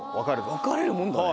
分かれるもんだね。